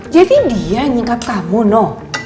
jadi dia yang nyekap kamu no